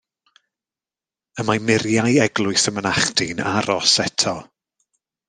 Y mae muriau eglwys y mynachdy'n aros eto.